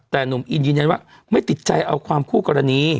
แต่หนุ่มอินยืนยันว่าไม่ติดใจเอาความคู่กรณี